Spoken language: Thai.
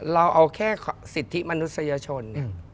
เราเอาแค่สิทธิมนุษยชน